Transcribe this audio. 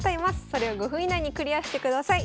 それを５分以内にクリアしてください。